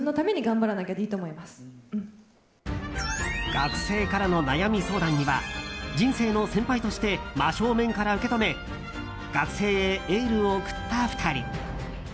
学生からの悩み相談には人生の先輩として真正面から受け止め学生へエールを送った２人。